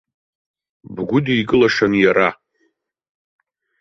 Бгәыдикылашан иара.